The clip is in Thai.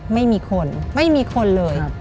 ไม่มีคนไม่มีคนเลย